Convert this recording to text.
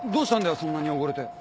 そんなに汚れて。